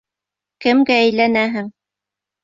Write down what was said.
Кемгә әйләнәһең?